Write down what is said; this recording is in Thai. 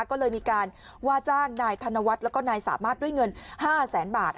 ก็เลยมีการว่าจ้างนายธนวัฒน์แล้วก็นายสามารถด้วยเงิน๕แสนบาท